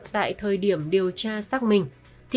tại thời điểm điều tra xác minh